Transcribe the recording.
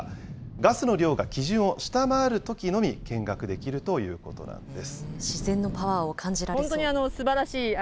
ガスの量が基準を下回るときのみ、見学できるということなんです。